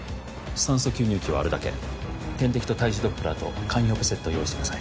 酸素吸入器をあるだけ点滴と胎児ドップラーと簡易オペセットを用意してください